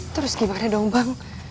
terus gimana dong bang